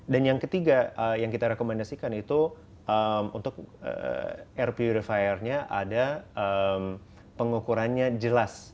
dan yang ketiga yang kita rekomendasikan itu untuk air purifiernya ada pengukurannya jelas